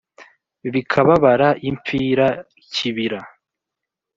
bikababara impfira kibira,